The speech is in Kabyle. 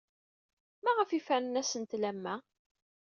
Maɣef ay fernen asentel am wa?